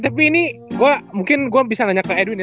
tapi ini gue mungkin gue bisa nanya ke edwin ya